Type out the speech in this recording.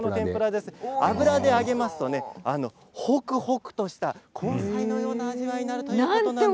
油で揚げますと、ほくほくとした根菜のような味わいになるということで。